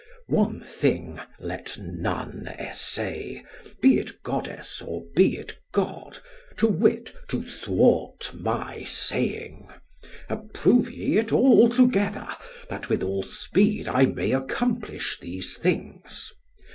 One thing let none essay, be it goddess or be it god, to wit, to thwart my saying; approve ye it all together, that with all speed I may accomplish these things.